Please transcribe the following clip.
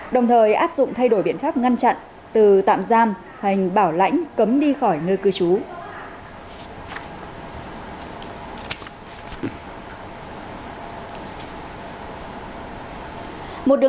đồng thời áp dụng thay đổi biện pháp ngăn chặn từ tạm giam thành bảo lãnh cấm đi khỏi nơi cư trú